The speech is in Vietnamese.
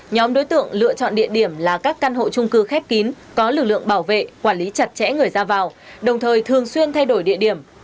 nhóm đối tượng lựa chọn địa điểm là các căn hộ trung cư khép kín có lực lượng bảo vệ quản lý chặt chẽ người ra vào đồng thời thường xuyên thay đổi địa điểm